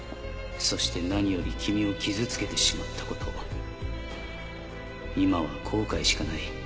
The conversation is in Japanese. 「そして何より君を傷つけてしまったこと今は後悔しかない」